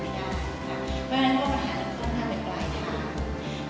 เพราะฉะนั้นว่าปัญหามันค่อนข้างเป็นปลายทาง